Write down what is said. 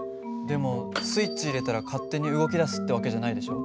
でもスイッチ入れたら勝手に動き出すって訳じゃないでしょ。